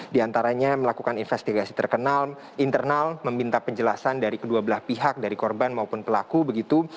di antaranya melakukan investigasi terkenal internal meminta penjelasan dari kedua belah pihak dari korban maupun pelaku begitu